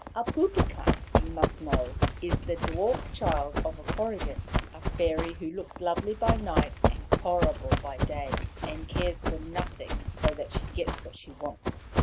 A Poupican, you must know, is the dwarf child of a Korrigan a Fairy who looks lovely by night and horrible by day, and cares for nothing so that she gets what she wants.